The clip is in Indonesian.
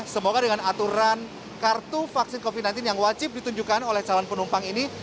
semoga dengan aturan kartu vaksin covid sembilan belas yang wajib ditunjukkan oleh calon penumpang ini